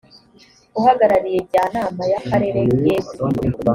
uhagarariye jyanama ya karere yeguye